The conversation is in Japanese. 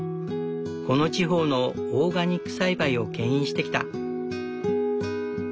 この地方のオーガニック栽培をけん引してきた。